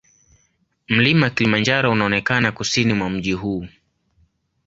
Mlima Kilimanjaro unaonekana kusini mwa mji huu.